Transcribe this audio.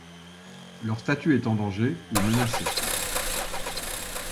Leur statut est en danger ou menacé.